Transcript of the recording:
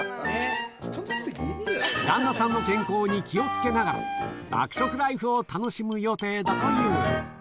旦那さんの健康に気をつけながら、爆食ライフを楽しむ予定だという。